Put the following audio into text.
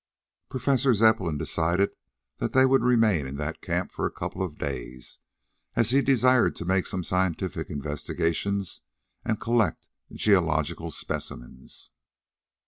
Professor Zepplin decided that they would remain in that camp for a couple of days, as he desired to make some scientific investigations and collect geological specimens.